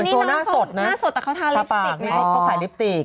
อันนี้ตัวหน้าสดนะตาปากเนี่ยเค้าถ่ายลิปติก